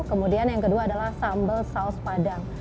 kemudian yang kedua adalah sambal saus padang